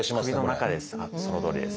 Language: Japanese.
そのとおりです。